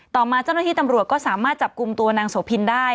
ต่อมาเจ้าหน้าที่ตำรวจก็สามารถจับกลุ่มตัวนางโสพินได้